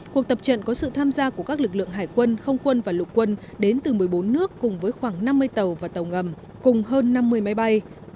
cuộc tập trận có sự tham gia của các lực lượng hải quân không quân và lục quân đến từ một mươi bốn nước cùng với khoảng năm mươi tàu và tàu ngầm cùng hơn năm mươi máy bay